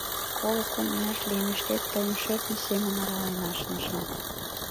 Коло кум ияш лиймешкет, тыйым шӧртньӧ семын арален ашнышым.